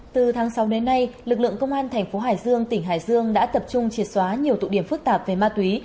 từ tháng sáu đến nay lực lượng công an thành phố hải dương tỉnh hải dương đã tập trung triệt xóa nhiều tụ điểm phức tạp về ma túy